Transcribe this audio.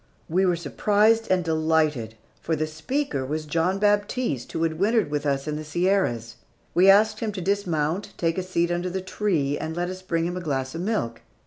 We were surprised and delighted, for the speaker was John Baptiste who had wintered with us in the Sierras. We asked him to dismount, take a seat under the tree, and let us bring him a glass of milk.